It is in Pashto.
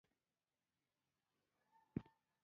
ایا ستاسو دلیل قوي نه دی؟